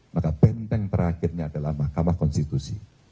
maka benteng terakhirnya adalah mahkamah konstitusi